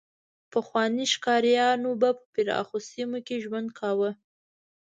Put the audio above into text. پخواني ښکاریان به په پراخو سیمو کې ژوند کاوه.